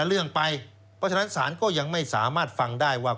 เพราะฉะนั้นศาลก็ยังไม่สามารถฟังได้ว่า